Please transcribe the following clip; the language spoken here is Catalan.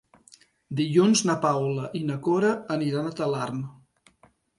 Dilluns na Paula i na Cora aniran a Talarn.